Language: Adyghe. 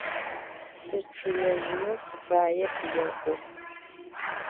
Sıççıêjıneu sıfaêp, – yê'o.